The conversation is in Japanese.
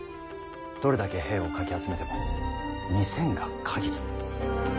どれだけ兵をかき集めても２，０００が限り。